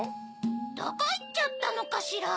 どこいっちゃったのかしら？